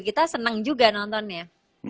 kita seneng juga nontonnya